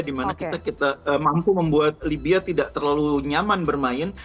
dimana kita mampu membuat libya tidak terlalu nyaman bermain